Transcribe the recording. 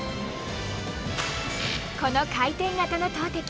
この回転型の投てき。